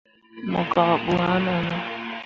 Mo gak ɓu ah none.